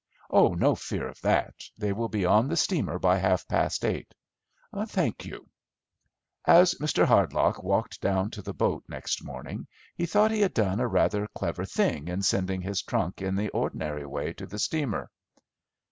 "Oh, no fear of that. They will be on the steamer by half past eight." "Thank you." As Mr. Hardlock walked down to the boat next morning he thought he had done rather a clever thing in sending his trunk in the ordinary way to the steamer.